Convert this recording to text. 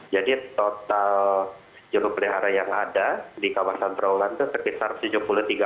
jadi total jurubelihara yang ada di kawasan perumahan itu sekitar tujuh puluh tiga orang